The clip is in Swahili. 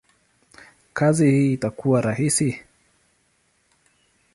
kazi hii itakuwa rahisi?